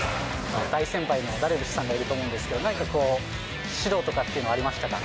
大先輩のダルビッシュさんがいると思うんですけど、何かこう、指導とかありましたか。